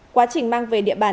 quá trình mang về địa bàn